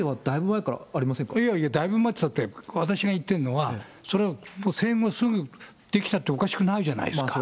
前からあいやいや、だいぶ前って言ったって、私が言ってるのは、戦後すぐ出来たっておかしくないじゃないですか。